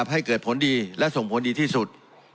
ให้เกิดผลดีและส่งผลดีที่สุด